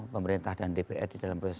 pemerintah dan dpr di dalam proses